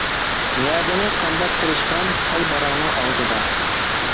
ۋەدىنى قانداق قىلىشقان، تال باراڭنىڭ ئالدىدا.